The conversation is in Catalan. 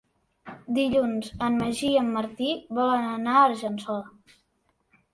Dilluns en Magí i en Martí volen anar a Argençola.